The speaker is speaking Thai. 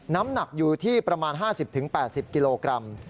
น้ำหนักอยู่ที่ประมาณ๕๐๘๐กิโลกรัม